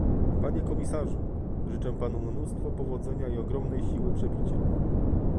Panie komisarzu! Życzę panu mnóstwo powodzenia i ogromnej siły przebicia!